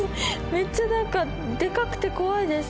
めっちゃ何かでかくて怖いです。